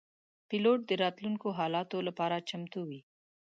پیلوټ د راتلونکو حالاتو لپاره چمتو وي.